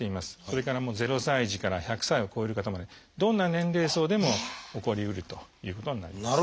それから０歳児から１００歳を超える方までどんな年齢層でも起こりうるということになります。